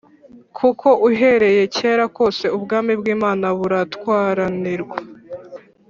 kuko uhereye kera kose ubwami bw’Imana buratwaranirwa